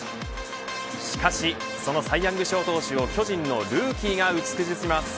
しかし、そのサイ・ヤング賞投手を巨人のルーキーが打ち崩します。